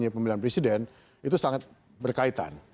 di kampanye pemilihan presiden itu sangat berkaitan